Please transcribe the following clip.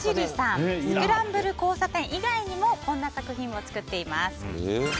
スクランブル交差点以外にもこんな作品を作っています。